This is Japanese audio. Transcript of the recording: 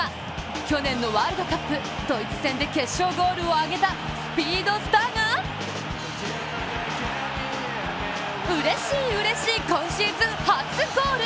去年のワールドカップ、ドイツ戦で決勝ゴールを挙げたスピードスターがうれしいうれしい今シーズン初ゴール。